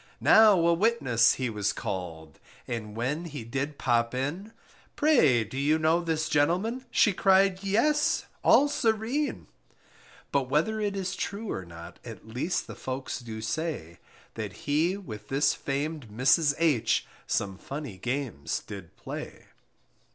Now a witness he was called, And when he did pop in: Pray, do you know this gentleman? She cried, yes, all serene! But whether it is true or not, At least the folks do say, That he with this famed Mrs. H Some funny games did play.